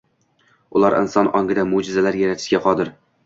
Ular inson ongida mo‘jizalar yaratishga qodir